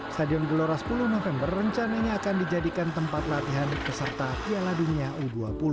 stadion gelora sepuluh november rencananya akan dijadikan tempat latihan peserta piala dunia u dua puluh